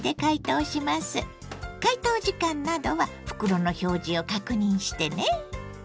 解凍時間などは袋の表示を確認してね。